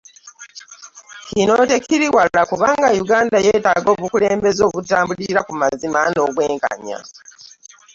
Kino tekiri wala kuba Uganda yeetaaga obukulembeze obutambulira ku mazima n'obwenkanya.